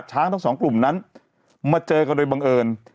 ทั้งสองกลุ่มนั้นมาเจอกันโดยบังเอิญ